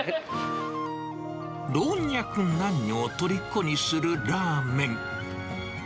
老若男女をとりこにするラーメン。